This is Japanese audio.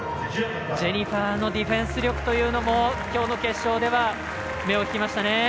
ジェニファーのディフェンス力というのもきょうの決勝では目を引きましたね。